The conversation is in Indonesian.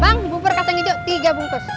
bang bubur kacang hijau tiga bungkus